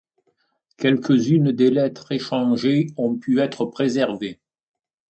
Quelques-unes des lettres échangées ont pu être préservées.